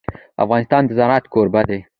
افغانستان د زراعت کوربه دی.